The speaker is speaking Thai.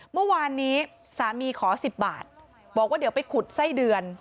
เมื่อวานนี้สามีขอ๑๐บาทบอกว่าเดี๋ยวไปขุดไส้เดือน